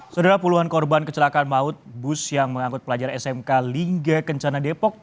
saudara puluhan korban kecelakaan maut bus yang mengangkut pelajar smk lingga kencana depok